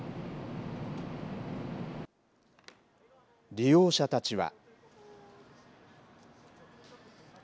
利用者たちは。